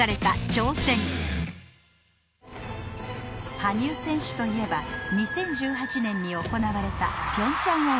羽生選手といえば２０１８年に行われた平昌オリンピック